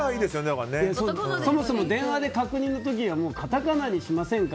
そもそも電話で確認の時にはカタカナにしませんか？